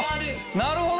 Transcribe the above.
なるほど！